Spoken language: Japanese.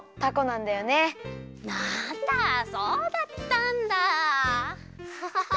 なんだそうだったんだ。